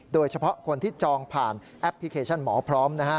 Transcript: โดยเฉพาะคนที่จองผ่านแอปพลิเคชันหมอพร้อมนะฮะ